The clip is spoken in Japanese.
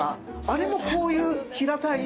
あれもこういう平たい。